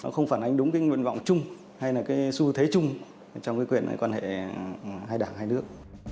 không phản ánh đúng nguyện vọng chung hay là xu thế chung trong quyền quan hệ hai đảng hai nước